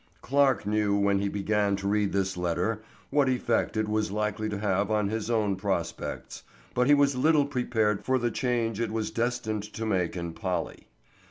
CLARKE knew when he began to read this letter what effect it was likely to have on his own prospects, but he was little prepared for the change it was destined to make in Polly.